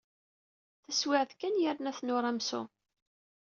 Taswiɛt kan, yerna-ten uramsu.